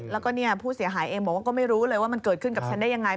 แล้วก็เนี่ยผู้เสียหายเองบอกว่าก็ไม่รู้เลยว่ามันเกิดขึ้นกับฉันได้ยังไง